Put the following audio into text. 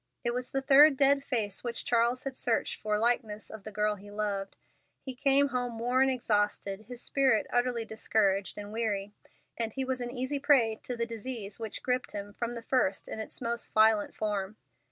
It was the third dead face which Charles had searched for likeness to the girl he loved. He came home worn and exhausted, his spirit utterly discouraged and weary, and he was an easy prey to the disease which gripped him from the first in its most violent form.